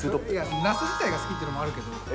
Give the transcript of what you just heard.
ナス自体が好きっていうのもあるけど。